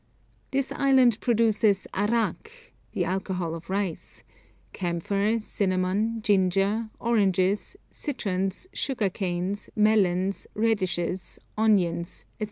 This island produces arrack (the alcohol of rice), camphor, cinnamon, ginger, oranges, citrons, sugar canes, melons, radishes, onions, &c.